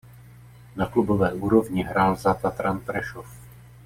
Na klubové úrovni hrál za Tatran Prešov.